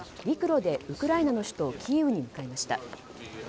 陸路でウクライナの首都キーウに向かいました。